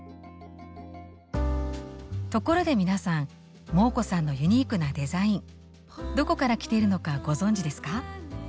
ところで皆さんモー子さんのユニークなデザインどこからきているのかご存じですか？